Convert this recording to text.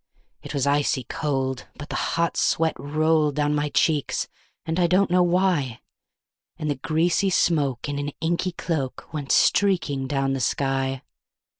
It was icy cold, but the hot sweat rolled down my cheeks, and I don't know why; And the greasy smoke in an inky cloak went streaking down the sky.